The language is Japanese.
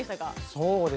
そうですね